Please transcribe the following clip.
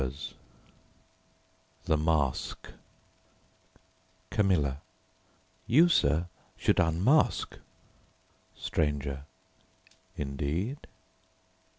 ] THE MASK CAMILLA: You, sir, should unmask. STRANGER: Indeed?